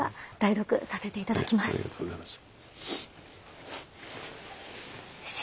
ありがとうございます。